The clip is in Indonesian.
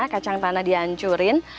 kacang tanah dihancurkan